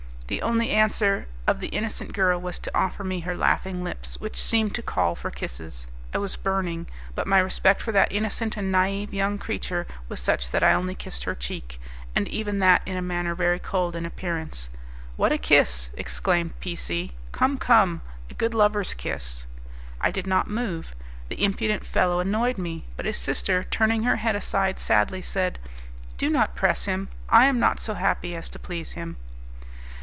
The only answer of the innocent girl was to offer me her laughing lips, which seemed to call for kisses. I was burning; but my respect for that innocent and naive young creature was such that I only kissed her cheek, and even that in a manner very cold in appearance. "What a kiss!" exclaimed P C . "Come, come, a good lover's kiss!" I did not move; the impudent fellow annoyed me; but his sister, turning her head aside sadly, said, "Do not press him; I am not so happy as to please him."